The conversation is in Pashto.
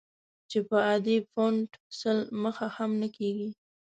چې په عادي فونټ سل مخه هم نه کېږي.